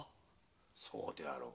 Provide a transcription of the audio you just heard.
そうであろう。